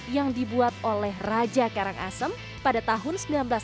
yang dibuat oleh raja karangasem pada tahun seribu sembilan ratus sembilan puluh